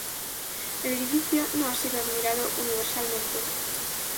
El edificio no ha sido admirado universalmente.